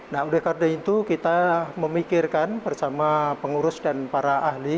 nah oleh karena itu kita memikirkan bersama pengurus dan para ahli